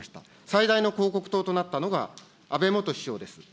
最大の広告塔となったのが、安倍元首相です。